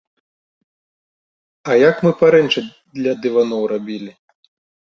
А як мы парэнчы для дываноў рабілі.